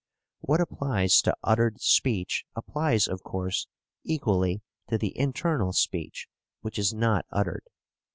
What applies to uttered speech applies of course equally to the internal speech which is not uttered.